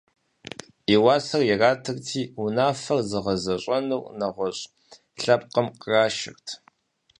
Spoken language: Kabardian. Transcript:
И уасэр иратырти, унафэр зыгъэзэщӏэнур нэгъуэщӏ лъэпкъым кърашырт.